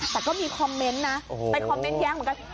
แต่ก็มีคอมเมนต์นะไปคอมเมนต์แย้งเหมือนกัน